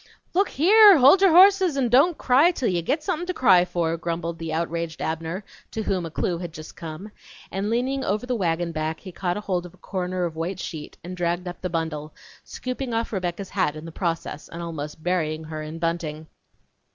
"Look here, hold your hosses n' don't cry till you git something to cry for!" grumbled the outraged Abner, to whom a clue had just come; and leaning over the wagon back he caught hold of a corner of white sheet and dragged up the bundle, scooping off Rebecca's hat in the process, and almost burying her in bunting.